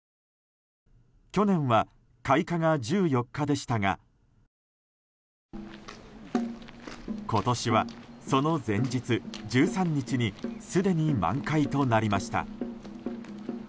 去年は開花が１４日でしたが今年は、その前日１３日にすでに満開となりました。